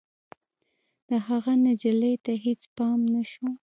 د هغه نجلۍ ته هېڅ پام نه شو.